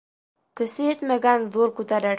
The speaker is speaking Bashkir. Көсө етмәгән ҙур күтәрер.